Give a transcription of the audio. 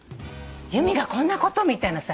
「由美がこんなこと」みたいなさ。